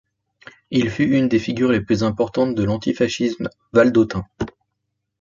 Il fut une des figures les plus importantes de l'antifascisme valdôtain.